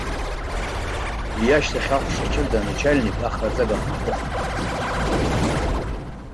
Уи ашьҭахь, аҟәша ҷыда аначальник ахраӡага аҟны дыҟан.